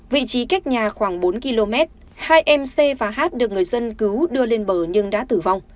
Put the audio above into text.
vị trí cách nhà khoảng bốn km hai em c và h được người dân cứu đưa lên bờ nhưng đã tử vong